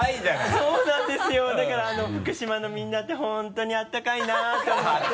そうなんですよだから福島のみんなって本当に温かいなと思って。